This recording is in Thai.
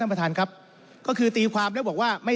ท่านประธานก็เป็นสอสอมาหลายสมัย